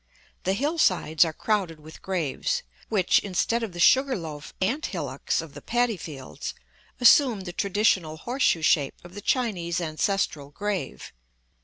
The hillsides are crowded with graves, which, instead of the sugar loaf "ant hillocks" of the paddy fields, assume the traditional horseshoe shape of the Chinese ancestral grave.